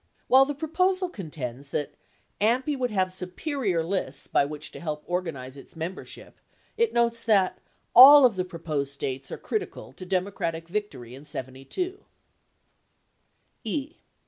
10 While the proposal contends that "... AMPI would have superior lists by which to help organize its membership," it notes that "[a] 11 of the proposed States are critical to Democratic victory in '72." 11 E.